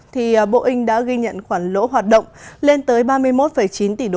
thì boeing đã ghi nhận khoản lỗ hoạt động lên tới ba mươi một chín tỷ usd